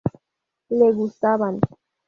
Le gustaban.